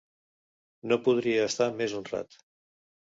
No podria estar més honrat.